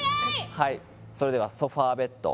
はいそれではソファベッド